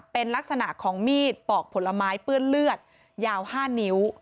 เป็นลักษณะของมีดปอกผลไม้เปื้อนเลือดยาว๕นิ้ว